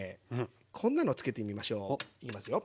こんなのをつけてみましょう。いきますよ。